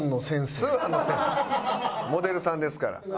モデルさんですから。